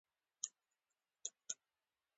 او په بله خوا کې ماشومان، سپين ږيري، د څه نه لرو.